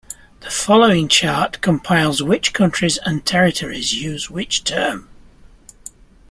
The following chart compiles which countries and territories use which term.